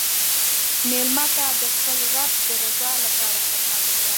مېلمه ته د خپل رب د رضا لپاره خدمت وکړه.